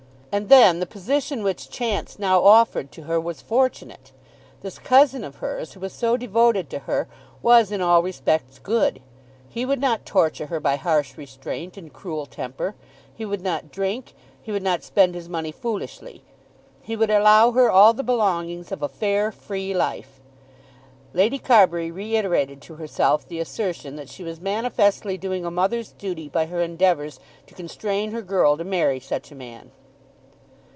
And then the position which chance now offered to her was fortunate. This cousin of hers, who was so devoted to her, was in all respects good. He would not torture her by harsh restraint and cruel temper. He would not drink. He would not spend his money foolishly. He would allow her all the belongings of a fair, free life. Lady Carbury reiterated to herself the assertion that she was manifestly doing a mother's duty by her endeavours to constrain her girl to marry such a man.